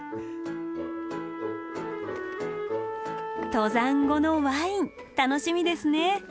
登山後のワイン楽しみですね！